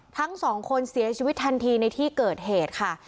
ทั้งสองคนเสียชีวิตทันทีในที่เกิดเหตุค่ะ